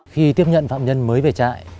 khi tiếp nhận phạm nhân mới về trại